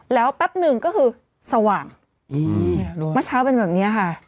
แล้วแป๊บหนึ่งก็คือสว่างอืมเนี้ยขอบคุณค่ะมาเช้าเป็นแบบเงี้ยค่ะ